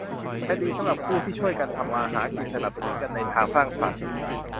จะดีสำหรับคู่ที่ช่วยกันทำมาหากินสนับสนุนกันในทางสร้างสรรค์